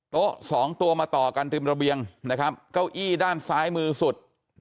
สองตัวมาต่อกันริมระเบียงนะครับเก้าอี้ด้านซ้ายมือสุด